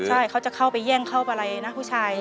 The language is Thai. ใช่เขาจะเข้าไปแย่งเข้าไปอะไรนะผู้ชาย